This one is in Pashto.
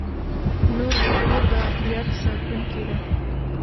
• لور د کور د عفت ساتونکې ده.